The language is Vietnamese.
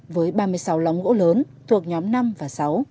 với ba mươi sáu lóng gỗ lớn thuộc nhóm năm và sáu